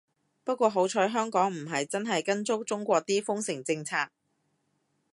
不過好彩香港唔係真係跟足中國啲封城政策